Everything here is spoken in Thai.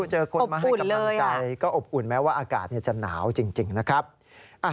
เจอคนมาให้กำลังใจก็อบอุ่นแม้ว่าอากาศจะหนาวจริงนะครับ